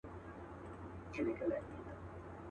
ارغنداو به غاړي غاړي را روان سي.